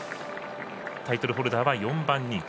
タイトルホルダーは４番人気。